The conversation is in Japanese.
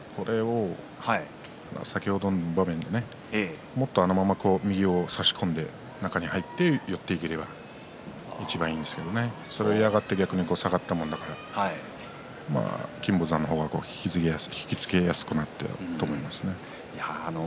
でも、もっとあのまま右を差し込んで、中に入って寄っていけばいちばんいいんですけどねそれを嫌がって逆に下がったもんだから金峰山が引き付けやすくなりました。